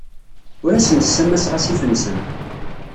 Ur asen-ssamaseɣ asif-nsen.